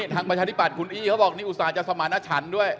ทางประชาธิบาทคุณอี้เขาบอกอุตส่าห์จะสมาชันด้วย